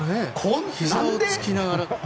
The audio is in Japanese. ひざを突きながら。